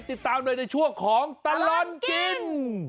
ติดตามเลยในช่วงของตลอดกิน